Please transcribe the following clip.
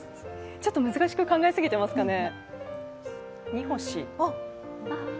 ちょっと難しく考えすぎてますかね。